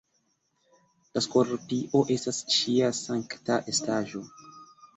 La skorpio estas ŝia sankta estaĵo.